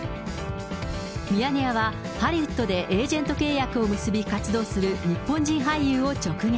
ミヤネ屋は、ハリウッドでエージェント契約を結び活動する日本人俳優を直撃。